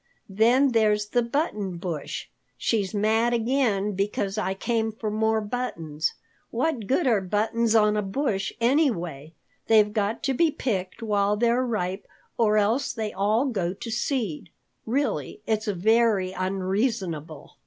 Then there's the Button Bush. She's mad again because I came for more buttons. What good are buttons on a bush, anyway? They've got to be picked while they're ripe or else they all go to seed. Really, it's very unreasonable."